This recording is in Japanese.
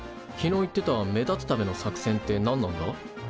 昨日言ってた目立つための作戦って何なんだ？